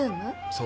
そう。